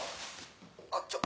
あっちょっ。